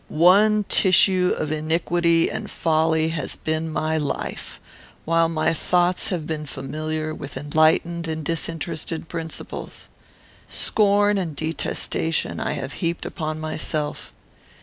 One tissue of iniquity and folly has been my life; while my thoughts have been familiar with enlightened and disinterested principles. Scorn and detestation I have heaped upon myself.